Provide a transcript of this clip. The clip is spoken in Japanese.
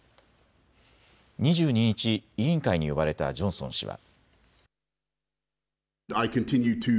２２日、委員会に呼ばれたジョンソン氏は。